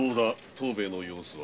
藤兵衛の様子は？